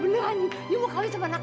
benar kamu mau berkahwin dengan anakku